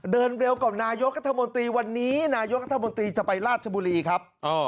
เดินเร็วก่อนนายกรัฐมนตรีวันนี้นายกรัฐมนตรีจะไปราชบุรีครับ